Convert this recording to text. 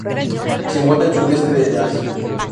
Se encuentra en Sudeste de Asia.